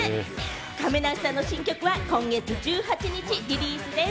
亀梨さんの新曲は今月１８日リリースです。